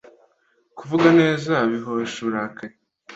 Kuvuga neza bihosha uburakari